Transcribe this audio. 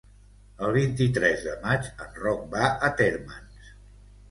El vint-i-tres de maig en Roc va a Térmens.